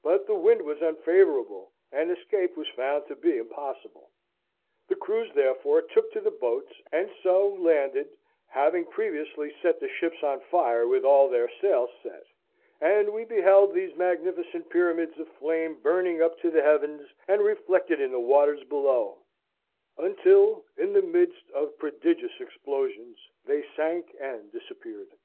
But the wind was unfavourable, and escape was found to be impossible. The crews therefore took to the boats, and so landed, having previously set the ships on fire with all their sails set; and we beheld these magnificent pyramids of flame burning up to the heavens and reflected in the waters below, until, in the midst of prodigious explosions, they sank and disappeared.